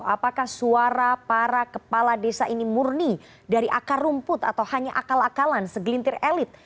apakah suara para kepala desa ini murni dari akar rumput atau hanya akal akalan segelintir elit